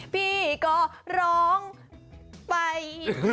พี่ก็ร้องไป